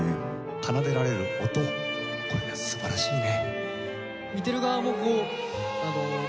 奏でられる音これが素晴らしいね。